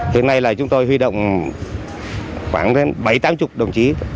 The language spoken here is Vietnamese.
hiện nay là chúng tôi huy động khoảng bảy tám mươi đồng chí